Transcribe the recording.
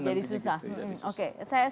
jadi susah oke